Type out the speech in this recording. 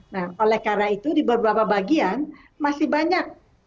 nah oleh karena itu di beberapa bagian masih banyak